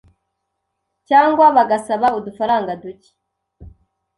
cyangwa bagasaba udufaranga duke.